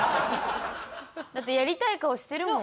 だってやりたい顔してるもん。